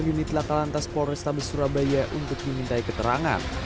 kantor unit lakalan tas polrestabes surabaya untuk dimintai keterangan